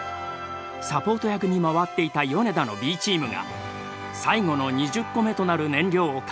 サポート役に回っていた米田のＢチームが最後の２０個目となる燃料を回収。